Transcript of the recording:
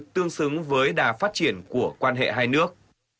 tương xứng với đà phát triển của quan hệ hai nước